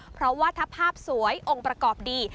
เพราะว่าถ้าภาพสวยองค์ประกอบดี